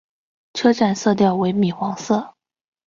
车站色调为米黄色。